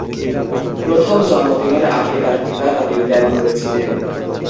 প্রথম জন্মদিনের আগে তার পিতা তাদের ত্যাগ করেছিলেন।